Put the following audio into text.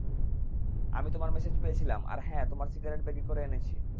আমি তোমার মেসেজ পেয়েছিলাম, আর, হ্যাঁ, তোমার সিগারেট ব্যাগে করে এনেছি।